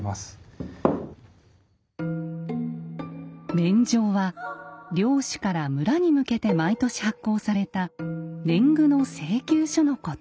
免定は領主から村に向けて毎年発行された年貢の請求書のこと。